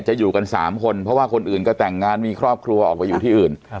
อยู่กัน๓คนเพราะว่าคนอื่นก็แต่งงานมีครอบครัวออกไปอยู่ที่อื่น